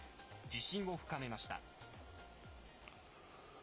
自信を深めました。